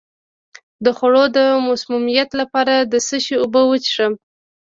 د خوړو د مسمومیت لپاره د څه شي اوبه وڅښم؟